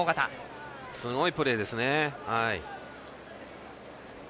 すごいプレーですね。